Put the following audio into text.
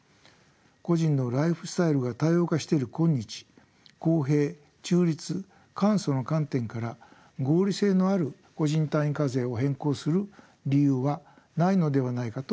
個人のライフスタイルが多様化している今日公平中立簡素の観点から合理性のある個人単位課税を変更する理由はないのではないかと考えます。